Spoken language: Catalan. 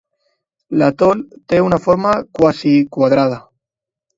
L'atol té una forma quasi quadrada.